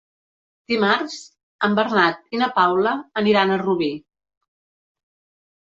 Dimarts en Bernat i na Paula aniran a Rubí.